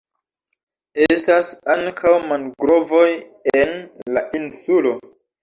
Estas ankaŭ mangrovoj en la insulo.